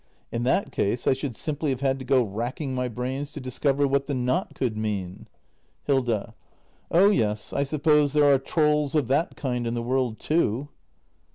In that case, I should simply have had to go racking my brains to discover what the knot could mean. Hilda. Oh yes, I suppose there are trolls of that kind in the world, too.